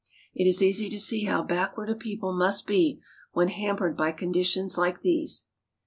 It is easy to see how back ward a people must be when hampered by conditions like these.